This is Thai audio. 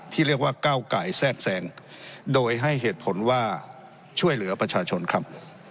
ที่เรียกว่าก้าวไก่แทรกแซงโดยให้เหตุผลว่าช่วยเหลือประชาชนครับ